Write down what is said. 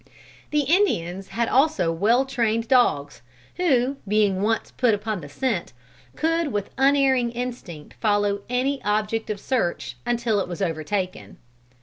The Indians had also well trained dogs, who being once put upon the scent, could with unerring instinct follow any object of search, until it was overtaken.